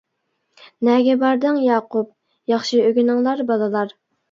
نەگە باردىڭ، ياقۇپ؟ ياخشى ئۆگىنىڭلار، بالىلار.